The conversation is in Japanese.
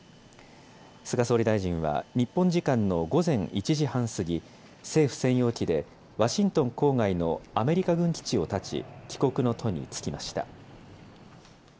菅総理大臣は日本時間の午前１時半過ぎ、政府専用機でワシントン郊外のアメリカ軍基地をたち、帰国の途に就きました。